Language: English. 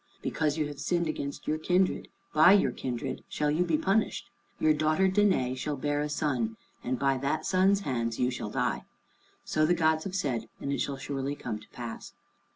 Because you have sinned against your kindred, by your kindred shall you be punished. Your daughter Danæ shall bear a son, and by that son's hands you shall die. So the gods have said, and it shall surely come to pass."